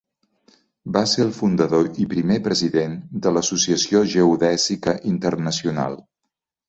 Va ser el fundador i primer president de l'Associació Geodèsica Internacional.